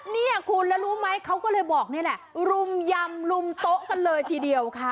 เนี่ยคุณแล้วรู้ไหมเขาก็เลยบอกนี่แหละรุมยำรุมโต๊ะกันเลยทีเดียวค่ะ